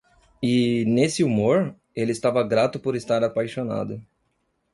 E? nesse humor? ele estava grato por estar apaixonado.